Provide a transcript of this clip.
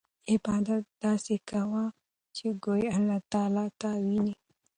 عبادت داسې کوه چې ګویا اللهﷻ تا ویني.